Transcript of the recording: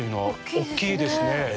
大きいですね。